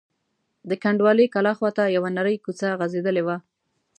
د کنډوالې کلا خواته یوه نرۍ کوڅه غځېدلې وه.